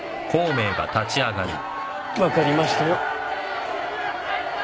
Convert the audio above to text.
分かりましたよ。